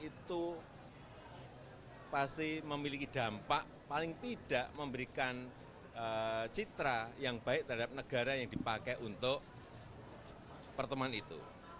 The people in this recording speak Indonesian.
itu pasti memiliki dampak paling tidak memberikan citra yang baik terhadap negara yang dipakai untuk pertemuan itu